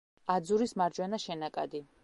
აძურის მარჯვენა შენაკადი.